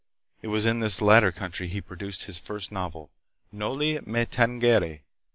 It was in this latter country that he produced his first novel, Noli Me Tangere.